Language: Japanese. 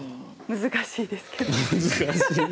難しいですけど。